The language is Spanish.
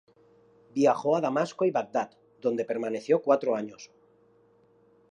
Viajó a Damasco y Bagdad, donde permaneció cuatro años.